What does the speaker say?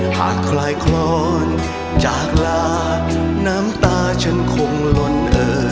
หากคลายคลอนจากลาน้ำตาฉันคงล้นเอ่อ